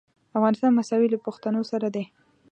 افغانستان مساوي له پښتنو سره دی.